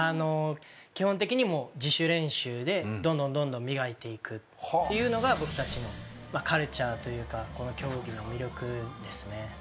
基本的に自主練習でどんどん磨いていくっていうのが僕たちのカルチャーというかこの競技の魅力ですね